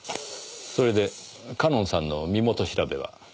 それで夏音さんの身元調べは？